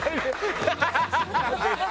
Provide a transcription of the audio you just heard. ハハハハ！